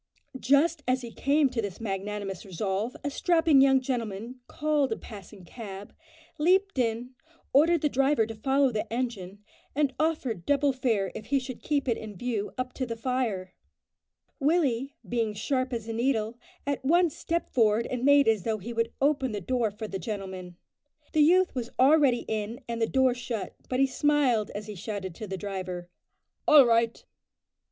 Just as he came to this magnanimous resolve, a strapping young gentleman called a passing cab, leaped in, ordered the driver to follow the engine, and offered double fare if he should keep it in view up to the fire. Willie, being sharp as a needle, at once stepped forward and made as though he would open the door for the gentleman. The youth was already in and the door shut, but he smiled as he shouted to the driver, "All right!"